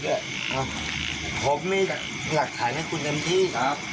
วะผมมีหลักทายให้คุณชนที่ครับ